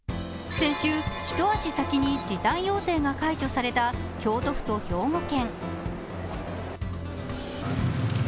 先週、一足先に時短要請が解除された京都府と兵庫県。